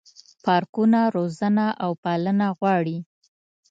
پارکونه روزنه او پالنه غواړي.